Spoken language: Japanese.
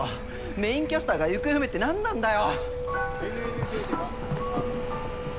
メインキャスターが行方不明って何なんだよ！